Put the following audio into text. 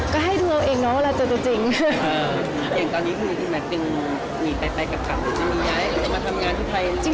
ก็ให้ดูเอาเองเนอะเวลาเจอตัวจริง